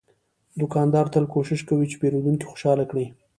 دوکاندار تل کوشش کوي چې پیرودونکی خوشاله کړي.